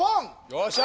よっしゃ。